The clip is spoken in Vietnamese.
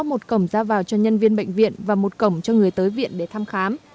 một cổng ra vào cho nhân viên bệnh viện và một cổng cho người tới viện để thăm khám